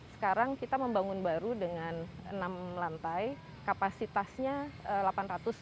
sekarang kita membangun baru dengan enam lantai kapasitasnya delapan ratus lima puluh pursi